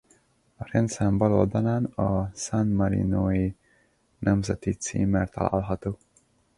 A rendszám bal oldalán a San Marinó-i nemzeti címer található.